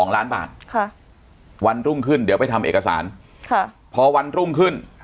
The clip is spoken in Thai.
๒ล้านบาทวันรุ่งขึ้นเดี๋ยวไปทำเอกสารพอวันรุ่งขึ้น